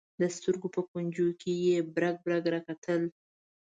د سترګو په کونجونو کې یې برګ برګ راکتل.